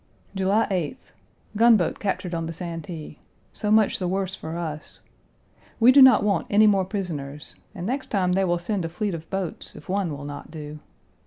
July 8th. Gunboat captured on the Santee. So much the worse for us. We do not want any more prisoners, and next time they will send a fleet of boats, if one will not do.